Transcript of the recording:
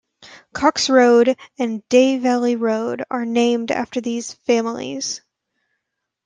Cox Road and Day Valley Road are named after these families.